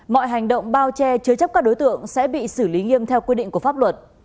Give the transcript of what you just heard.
mọi hành động bao che chứa chấp các đối tượng sẽ bị xử lý nghiêm theo quy định của pháp luật